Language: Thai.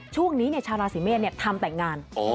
ช่วงนี้ชาวราศีเมษทำแต่งงาน